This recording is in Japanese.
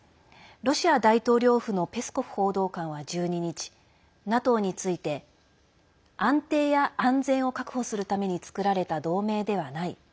ロシア大統領府のペスコフ報道官は１２日ＮＡＴＯについて安定や安全を確保するために作られた同盟ではない。